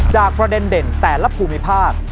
ประเด็นเด่นแต่ละภูมิภาค